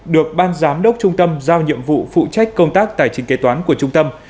được ban giám đốc trung tâm giao nhiệm vụ phụ trách công tác tài chính kế toán của trung tâm